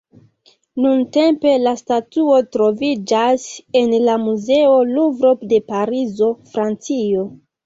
Nuntempe la statuo troviĝas en la Muzeo Luvro de Parizo, Francio.